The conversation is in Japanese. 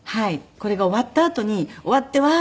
これが終わったあとに終わってわーい！